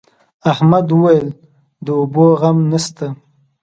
احمد وويل: د اوبو غم نشته.